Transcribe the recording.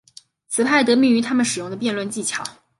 此派得名于他们使用的辩论技巧。